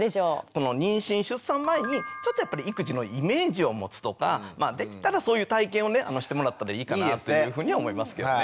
この妊娠出産前にちょっとやっぱり育児のイメージを持つとかできたらそういう体験をしてもらったらいいかなというふうには思いますけどね。